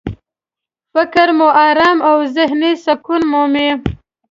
فکر مو ارامي او ذهني سکون مومي.